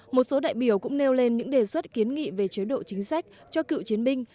một số đại biểu cũng nêu lên những đề xuất kiến nghị về chế độ chính sách cho cựu chiến binh